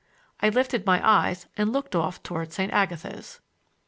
I lifted my eyes and looked off toward St. Agatha's.